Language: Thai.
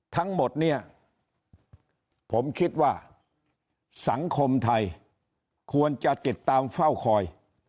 ทั้งหมดเนี่ยผมคิดว่าสังคมไทยควรจะติดตามเฝ้าคอย